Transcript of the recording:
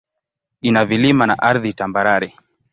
Ina vilima na ardhi tambarare.